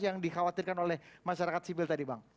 yang dikhawatirkan oleh masyarakat sipil tadi bang